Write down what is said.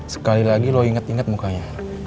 sekali lagi lo inget inget mukanya